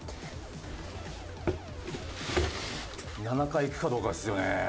７階いくかどうかですよね。